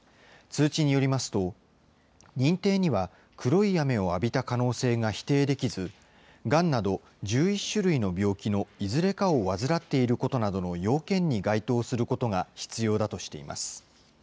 通知によりますと、認定には黒い雨を浴びた可能性が否定できず、がんなど１１種類の病気のいずれかを患っていることなどの要件に該当することが必要だとしています。